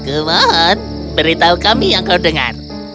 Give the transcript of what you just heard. kumohon beritahu kami yang kau dengar